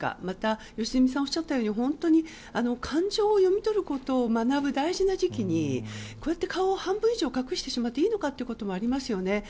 また、良純さんがおっしゃったように感情を読み取ることが大事な時期に顔を半分以上隠してしまっていいのかということもありますよね。